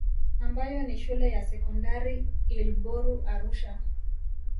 Ambayo ni shule ya Sekondari Ilboru Arusha